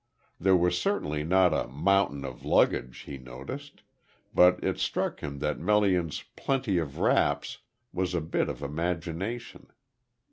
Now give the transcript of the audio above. There was certainly not a "mountain of luggage" he noticed, but it struck him that Melian's "plenty of wraps" was a bit of imagination.